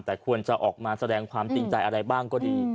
แต่ควรจะออกมาแสดงความจริงใจอะไรบ้างก็ดี